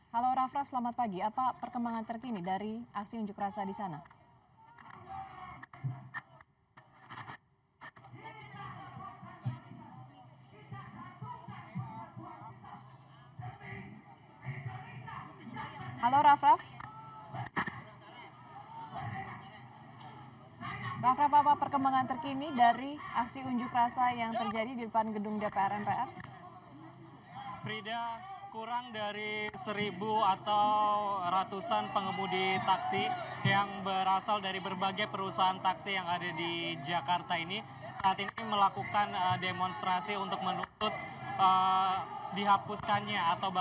halo raff raff selamat pagi apa perkembangan terkini dari aksi unjuk rasa di sana